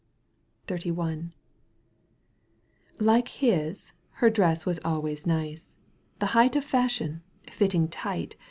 XXXI. Like his, her dress was always nice, The height of fashion, fitting tight.